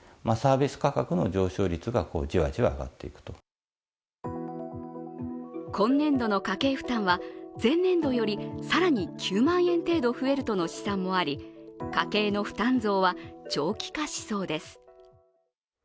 専門家は今年度の家計負担は前年度より更に９万円程度増えるとの試算もあり家計の負担増は長期化しそうです。